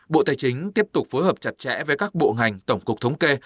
bộ tài chính tiếp tục phối hợp chặt chẽ với các bộ ngành tổng cục thống kê